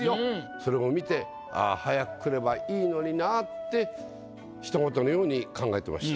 それを見てああ早く来ればいいのになってひと事のように考えてました。